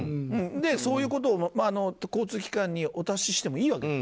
そういうことを交通機関にお達ししてもいいと思うんです。